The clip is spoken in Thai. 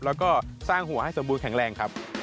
แล้วก็สร้างหัวให้สมบูรณแข็งแรงครับ